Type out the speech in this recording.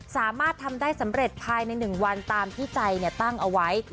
สามารถทำได้สำเร็จภายใน๑วันตามที่ใจตั้งเอาไว้